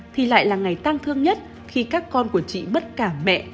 thì lại là ngày tang thương nhất khi các con của chị bất cả mẹ